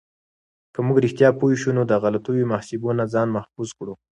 که موږ رښتیا پوه شو، نو د غلطو محاسبو نه ځان محفوظ کړو.